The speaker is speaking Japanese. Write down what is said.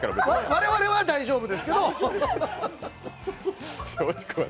我々は大丈夫ですけど。